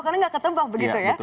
karena tidak ketebak begitu ya